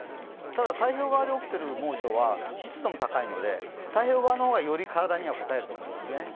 ただ、太平洋側で起きている猛暑は湿度が高いので、太平洋側の方が、より体には応えると思いますね。